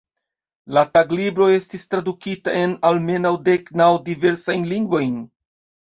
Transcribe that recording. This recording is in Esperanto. La taglibro estis tradukita en almenaŭ dek naŭ diversajn lingvojn.